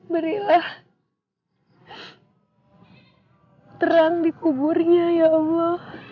berilah terang di kuburnya ya allah